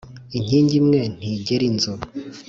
Inkingi imwe ntigera inzu